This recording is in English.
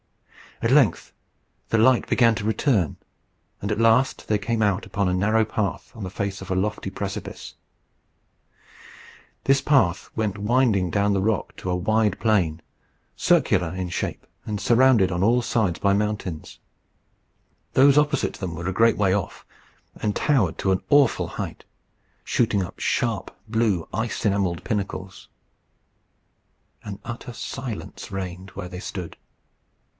At length the light began to return, and at last they came out upon a narrow path on the face of a lofty precipice. This path went winding down the rock to a wide plain, circular in shape, and surrounded on all sides by mountains. Those opposite to them were a great way off, and towered to an awful height, shooting up sharp, blue, ice enamelled pinnacles. An utter silence reigned where they stood.